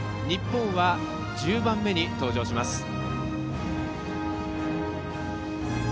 日本は、１０番目に登場します。